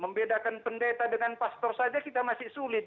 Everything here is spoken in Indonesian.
membedakan pendeta dengan pastor saja kita masih sulit